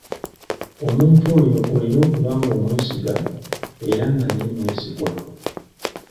Omuntu oyo olina okuba ng'omwesiga era nga naye mwesigwa.